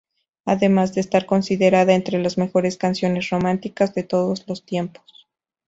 Además de estar considerada entre las mejores canciones románticas de todos los tiempos.